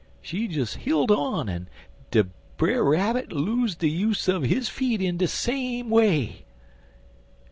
She des hilt on, en de Brer Rabbit lose de use er his feet in de same way.